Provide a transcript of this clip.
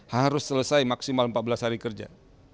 harus selesai maksimal empat belas hari kerja